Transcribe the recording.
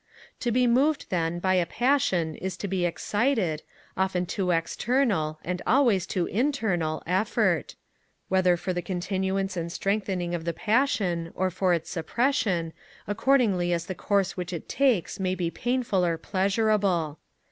To be moved, then, by a passion is to be excited, often to external, and always to internal, effort; whether for the continuance and strengthening of the passion, or for its suppression, accordingly as the course which it takes may be painful or pleasurable.